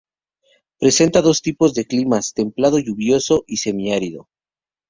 Presenta dos tipos de climas: templado lluvioso y el semiárido.